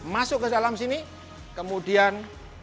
masuk ke dalam sini kemudian